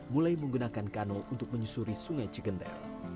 mulai menggunakan kanul untuk menyusuri sungai cikenter